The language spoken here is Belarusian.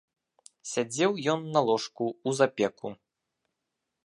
Сядзеў ён на ложку ў запеку.